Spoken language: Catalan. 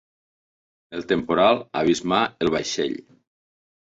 El temporal abismà el vaixell.